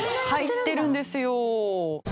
入ってるんですよ。